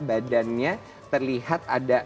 badannya terlihat ada